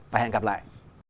và hẹn gặp lại